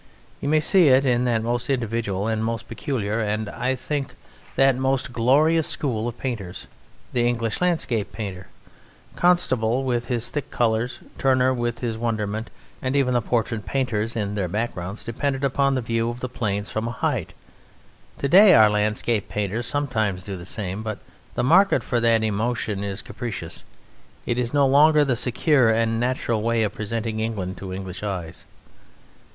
You may see it in that most individual, that most peculiar, and, I think, that most glorious school of painters, the English landscape painter, Constable with his thick colours, Turner with his wonderment, and even the portrait painters in their backgrounds depend upon the view of the plains from a height. To day our landscape painters sometimes do the same, but the market for that emotion is capricious, it is no longer the secure and natural way of presenting England to English eyes.